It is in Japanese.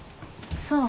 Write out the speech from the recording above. そう。